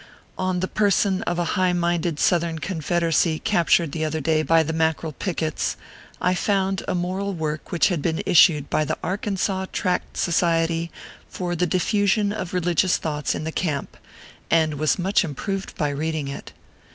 On the person of a high minded Southern Confed eracy captured the other day by the Mackerel pickets, I found a moral work which had been issued by the Arkansaw Tract Society for the diffusion of religious thoughts in the camp, and was much improved by reading it.